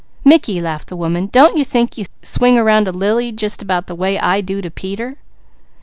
"Mickey," laughed the woman, "don't you think you swing around to Lily just about the way I do to Peter?"